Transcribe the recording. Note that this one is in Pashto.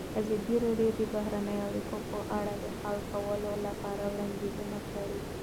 ازادي راډیو د بهرنۍ اړیکې په اړه د حل کولو لپاره وړاندیزونه کړي.